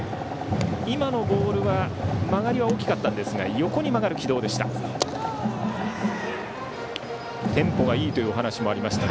今のボールは曲がりは大きかったんですが横に曲がる軌道でした。